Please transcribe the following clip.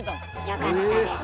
よかったです。